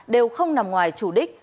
đều không nằm ngoài chủ đích